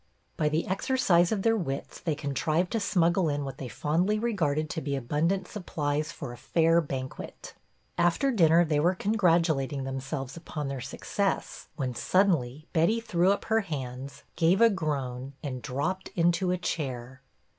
By the exercise of their wits they con trived to smuggle in what they fondly re garded to be abundant supplies for a fair banquet. After dinner they w'ere congrat ulating themselves upon their success, when suddenly Betty threw up her hands, gave a groan, and dropped into a chair.